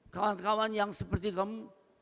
kawan kawan yang seperti kamu